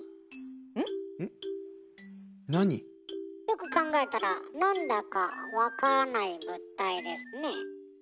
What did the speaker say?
よく考えたらなんだか分からない物体ですね。